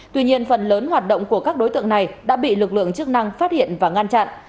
tuy nhiên phần lớn hoạt động của các đối tượng này đã bị lực lượng chức năng phát hiện và ngăn chặn